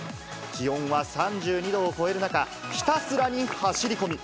気温は３２度を超える中、ひたすらに走り込み。